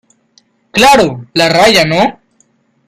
claro, la raya ,¿ no?